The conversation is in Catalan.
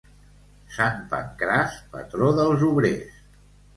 Sant Pancràs, patró dels obrers.